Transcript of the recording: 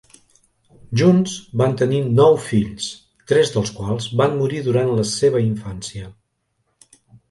Junts van tenir nou fills, tres dels quals van morir durant la seva infància.